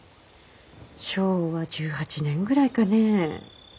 昭和１８年ぐらいかね。